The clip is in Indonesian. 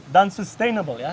dan berkelanjutan ya